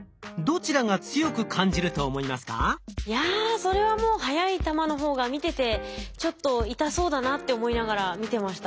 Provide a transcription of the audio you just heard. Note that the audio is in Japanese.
いやそれはもう速い球の方が見てて「ちょっと痛そうだな」って思いながら見てました。